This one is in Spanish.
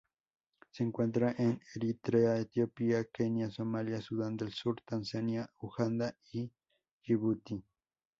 Se encuentra en Eritrea, Etiopía, Kenia, Somalia, Sudán del Sur, Tanzania, Uganda y Yibuti.